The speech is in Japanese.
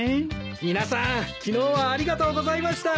皆さん昨日はありがとうございました。